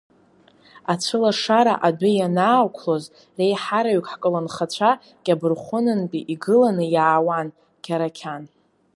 Ацәылашара адәы ианаақәлоз, реиҳараҩык ҳколнхацәа Кьабархәынынтәи игыланы иаауан Қьарақьан.